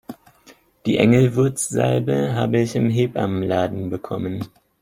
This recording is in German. Die Engelwurzsalbe habe ich im Hebammenladen bekommen.